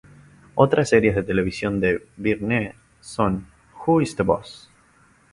Otras series de televisión de Byrne son "Who's the Boss?